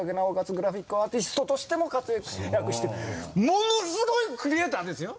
グラフィックアーティストとしても活躍してるものすごいクリエーターですよ。